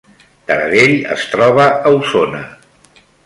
Taradell es troba a Osona